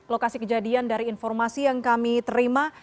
lokasi kejadian dari informasi yang kami terima